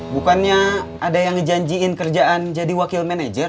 bukannya ada yang ngejanjiin kerjaan jadi wakil manajer